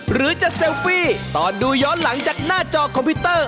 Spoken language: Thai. หรือจะเซลฟี่ตอนดูย้อนหลังจากหน้าจอคอมพิวเตอร์